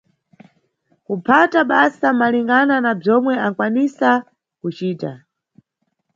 Kuphata basa malingana na bzomwe ankwanisa kucita.